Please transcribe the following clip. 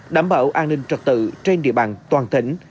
đảm bảo an ninh trật tự trên địa bàn